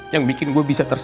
yang bikin gue bisa tersedia